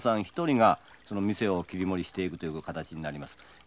一人がその店を切り盛りしていくという形になります。